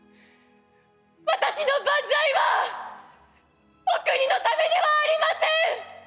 私の万歳はお国のためではありません。